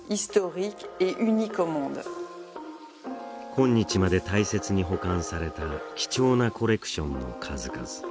今日まで大切に保管された貴重なコレクションの数々